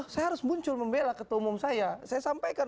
saya harus muncul membela ketua umum saya saya sampaikan